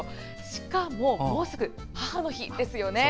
しかも、もうすぐ母の日ですよね。